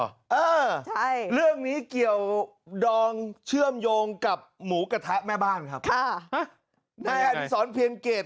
เออใช่เรื่องนี้เกี่ยวดองเชื่อมโยงกับหมูกระทะแม่บ้านครับค่ะฮะนายอดิษรเพียงเกต